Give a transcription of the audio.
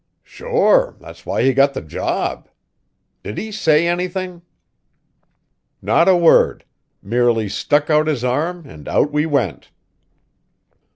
"Sure; that why he's got the job. Did he say anything?" "Not a word; merely stuck out his arm and out we went."